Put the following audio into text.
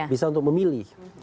bisa untuk memilih